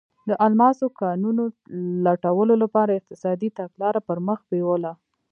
د الماسو کانونو لوټلو لپاره یې اقتصادي تګلاره پر مخ بیوله.